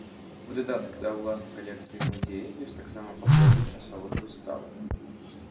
У дадатак да ўласнай калекцыі музея ёсць таксама пакой для часовых выстаў.